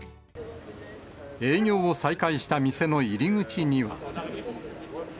営業を再開した店の入り口には。